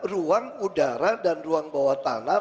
ruang udara dan ruang bawah tanah